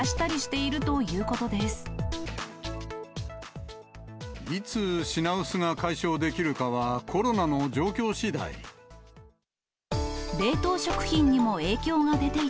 いつ、品薄が解消できるかは、コロナの状況しだい。